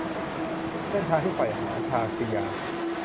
เส้นทางที่ใฝ่หา - ชาครียา